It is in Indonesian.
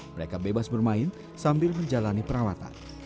mereka bebas bermain sambil menjalani perawatan